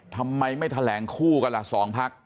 ทำไมไม่แถลงคู่กันล่ะ๒พัก